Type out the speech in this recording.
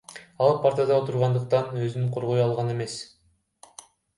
Ал партада отургандыктан өзүн коргой алган эмес.